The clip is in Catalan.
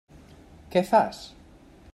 Què fas?